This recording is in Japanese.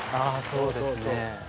そうですよね？